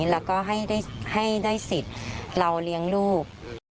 แล้วก็ให้ได้สิทธิ์เราเลี้ยงลูก